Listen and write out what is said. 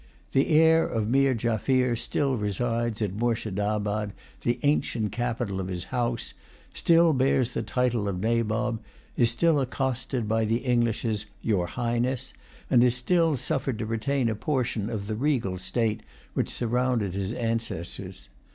The heir of Meer Jaffier still resides at Moorshedabad, the ancient capital of his house, still bears the title of Nabob, is still accosted by the English as "Your Highness," and is still suffered to retain a portion of the regal state which surrounded his ancestors.